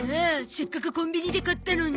せっかくコンビニで買ったのに。